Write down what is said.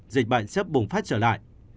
dịch bệnh sẽ bùng phát trở lại